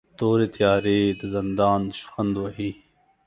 تورې تیارې د زندان شخوند وهي